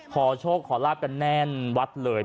ขอโชคขอลาบกันแน่นวัดเลย